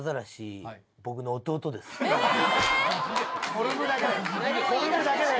フォルムだけだよ。